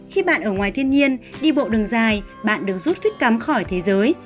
khi bạn ở ngoài thiên nhiên đi bộ đường dài bạn được rút phích cắm khỏi thế giới